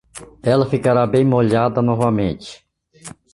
Ela ficará bem molhada novamente.